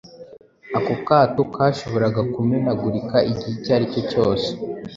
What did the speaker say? Ako kato kashoboraga kumenagurika igihe icyo ari cyo cyose.